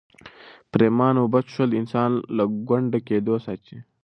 پرېمانه اوبه څښل انسان له ګونډه کېدو ساتي.